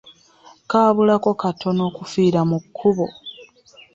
Kaabulako katono okufira mu kkubo.